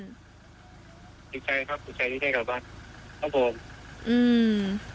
ดีใจครับดีใจได้กลับบ้านครับผม